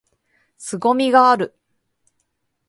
凄みがある！！！！